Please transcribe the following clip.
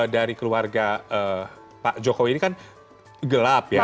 dari keluarga pak jokowi ini kan gelap ya